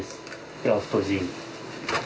クラフトジン？